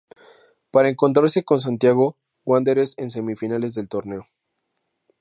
Para encontrarse con Santiago Wanderers en semifinales del torneo.